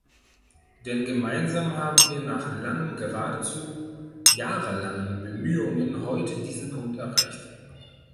Denn gemeinsam haben wir nach langen geradezu jahrelangen Bemühungen heute diesen Punkt erreicht.